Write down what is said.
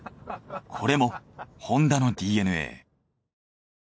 これもホンダのＤＮＡ。